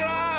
eh sirik loh